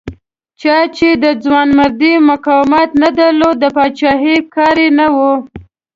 چا چې د ځوانمردۍ مقاومت نه درلود د پایلوچۍ کار یې نه و.